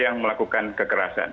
yang melakukan kekerasan